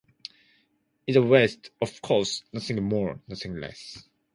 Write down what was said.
It's the west, of course, nothing more, nothing less.